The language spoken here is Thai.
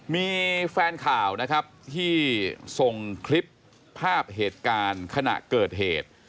มีแฟนข่าวนะครับที่ส่งคลิปภาพเหตุการณ์ขณะเกิดเหตุ